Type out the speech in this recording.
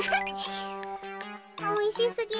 おいしすぎる。